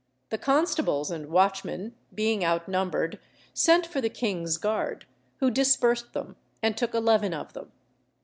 The constables and watchmen, being outnumbered, sent for the king's guard, who dispersed them and took eleven of them.